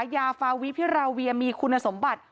ยาฟาวิพิราเวียมีคุณสมบัติ